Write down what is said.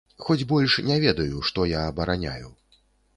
Хоць больш не ведаю, што я абараняю.